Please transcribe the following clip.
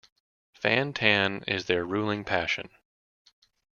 Fan tan is their ruling passion.